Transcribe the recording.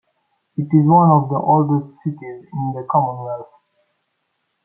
It is one of the oldest cities in the Commonwealth.